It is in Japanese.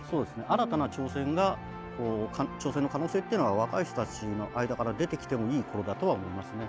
新たな挑戦が挑戦の可能性っていうのが若い人たちの間から出てきてもいいころだとは思いますね。